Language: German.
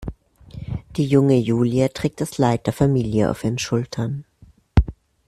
Die junge Julia trägt das Leid der Familie auf ihren Schultern.